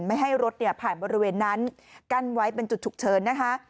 ไม่ให้รถเนี่ยผ่านบริเวณนั้นกั้นไว้เป็นจุดฉุกเฉินนะคะ